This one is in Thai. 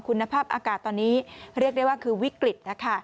คุณภาพอากาศตอนนี้เรียกได้ว่าคือวิกฤตนะคะ